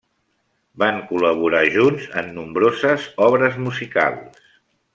Van col·laborar junts en nombroses obres musicals.